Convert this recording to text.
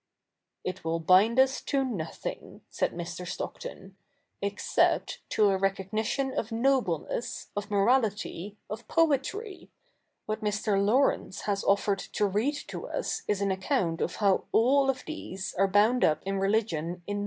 'It will bind us to nothing,' said Mr. Stockton, i68 THE NEW REPUBLIC [bk. hi 'except to a recognition of nobleness, of morality, of poetry. ^Vhat Mr. Laurence has offered to read to us is an account of how all of these are bound up in religion in 7?